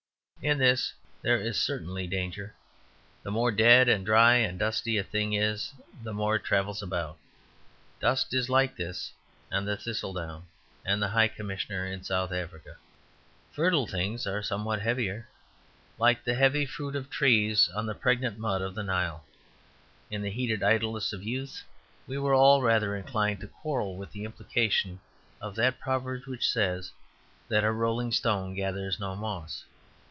In this there is certainly danger. The more dead and dry and dusty a thing is the more it travels about; dust is like this and the thistle down and the High Commissioner in South Africa. Fertile things are somewhat heavier, like the heavy fruit trees on the pregnant mud of the Nile. In the heated idleness of youth we were all rather inclined to quarrel with the implication of that proverb which says that a rolling stone gathers no moss.